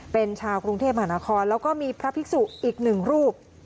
เป็นชาวกรุงเทพมหานครแล้วก็มีพระภิกษุอีกหนึ่งรูป